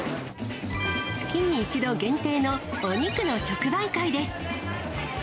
月に１度限定のお肉の直売会です。